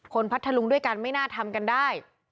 พัทธลุงด้วยกันไม่น่าทำกันได้